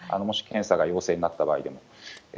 もし検査が陽性になった場合でも。